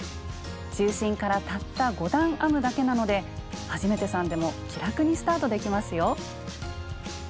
中心からたった５段編むだけなので初めてさんでも気楽にスタートできますよ。